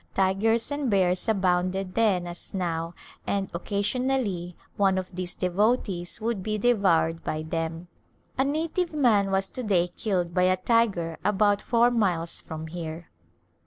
Tigers and bears abounded then as now and occasion ally one of these devotees would be devoured by them. A native man was to day killed by a tiger about four miles from here.